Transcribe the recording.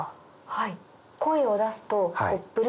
はい。